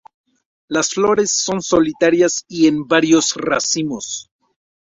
Las flores son solitarias o en varios racimos.